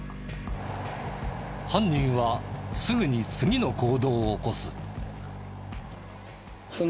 犯人はすぐに次の行動を起こす。